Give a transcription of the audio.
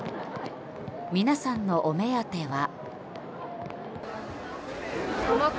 皆さんのお目当ては。